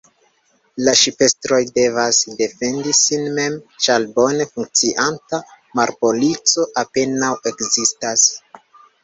La ŝipestroj devas defendi sin mem, ĉar bone funkcianta marpolico apenaŭ ekzistas.